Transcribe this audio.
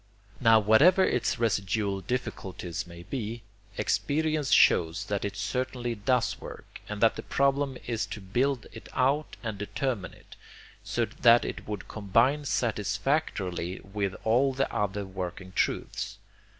Now whatever its residual difficulties may be, experience shows that it certainly does work, and that the problem is to build it out and determine it, so that it will combine satisfactorily with all the other working truths.